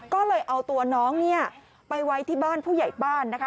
ก็เลยเอาตัวน้องเนี่ยไปไว้ที่บ้านผู้ใหญ่บ้านนะคะ